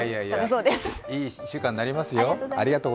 いやいや、いい１週間になりますよ。